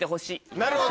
なるほど。